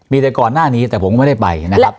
มีแต่ก่อนหน้านี้แต่ผมก็ไม่ได้ไปนะครับ